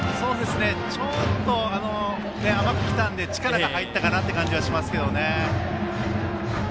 ちょっと甘く来たので力が入ったかなという感じはしますけどね。